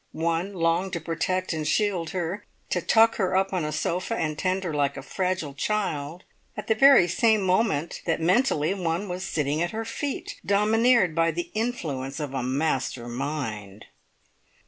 One longed to protect and shield her, to tuck her up on a sofa, and tend her like a fragile child, at the very same moment that mentally one was sitting at her feet, domineered by the influence of a master mind!